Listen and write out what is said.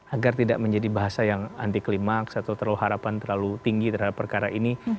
agar tidak menjadi bahasa yang anti klimaks atau terlalu harapan terlalu tinggi terhadap perkara ini